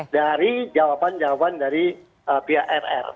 dari jawaban jawaban dari pihak rr